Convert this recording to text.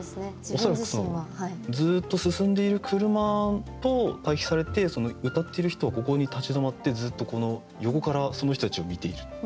恐らくそのずっと進んでいる車と対比されてうたっている人はここに立ち止まってずっとこの横からその人たちを見ている。